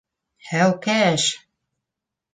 Һәүкәш!